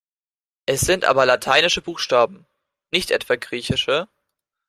Es sind aber lateinische Buchstaben, nicht etwa griechische.